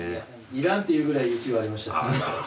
「いらん」っていうぐらい雪はありました。